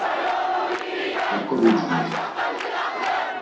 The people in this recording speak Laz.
Oǩovicundit.